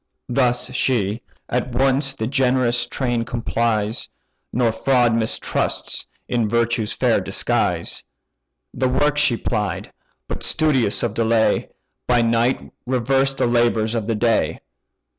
"Thus she: at once the generous train complies, Nor fraud mistrusts in virtue's fair disguise. The work she plied; but, studious of delay, By night reversed the labours of the day.